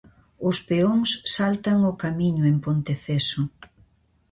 Os peóns saltan ao camiño en Ponteceso.